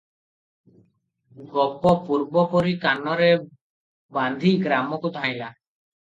ଗୋପ ପୂର୍ବପରି କାନିରେ ବାନ୍ଧି ଗ୍ରାମକୁ ଧାଇଁଲା ।